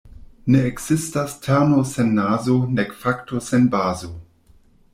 Ne ekzistas terno sen nazo nek fakto sen bazo.